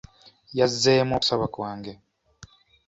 Yazzeemu okusaba kwange.